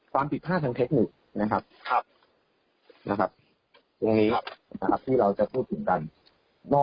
ความผิดพลาดทางเทคนิคนะครับที่เราจะพูดถึงกัน